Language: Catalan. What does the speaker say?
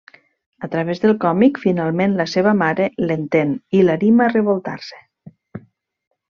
A través del còmic, finalment la seva mare l'entén i l'anima a revoltar-se.